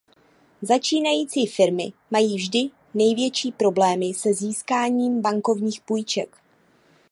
Začínající firmy mají vždy největší problémy se získáním bankovních půjček.